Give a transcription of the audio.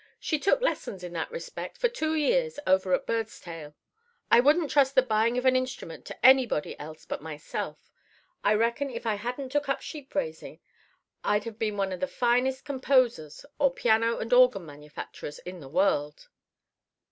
She took lessons in that respect for two years over at Birdstail. I wouldn't trust the buying of an instrument to anybody else but myself. I reckon if I hadn't took up sheep raising I'd have been one of the finest composers or piano and organ manufacturers in the world.